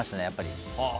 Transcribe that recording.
やっぱり。